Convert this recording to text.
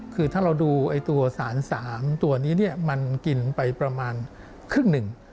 คือถ้าเราดูตัวสาร๓ตัวนี้มันกินไปประมาณครึ่งหนึ่ง